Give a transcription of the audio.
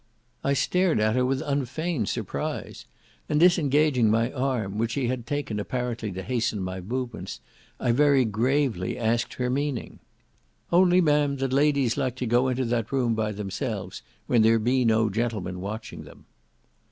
I stared at her with unfeigned surprise, and disengaging my arm, which she had taken apparently to hasten my movements, I very gravely asked her meaning. "Only, ma'am, that ladies like to go into that room by themselves, when there be no gentlemen watching them."